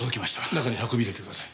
中に運び入れてください。